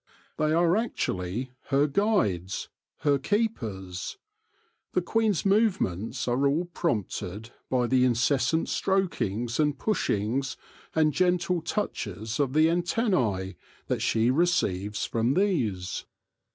They are actually her guides, her keepers, The queen's movements are all prompted by the inces sant strokings and pushings and gentle touches of the antennae that she receives from these.